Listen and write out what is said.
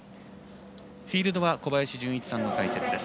フィールドは小林順一さんの解説です。